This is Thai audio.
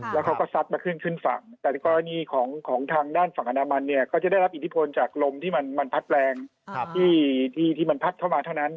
แล้วเขาก็ซัดมาขึ้นขึ้นฝั่งแต่กรณีของทางด้านฝั่งอนามันเนี่ยก็จะได้รับอิทธิพลจากลมที่มันพัดแรงที่มันพัดเข้ามาเท่านั้น